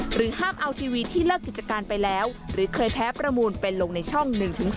ห้ามเอาทีวีที่เลิกกิจการไปแล้วหรือเคยแพ้ประมูลไปลงในช่อง๑๒